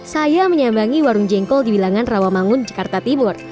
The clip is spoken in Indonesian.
saya menyambangi warung jengkol di bilangan rawamangun jakarta timur